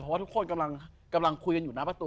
เพราะว่าทุกคนกำลังคุยกันอยู่หน้าประตู